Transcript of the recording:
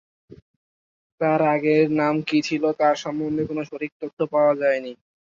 তার আগে এর নাম কি ছিল তার সম্বন্ধে কোন সঠিক তথ্য পাওয়া যায়নি।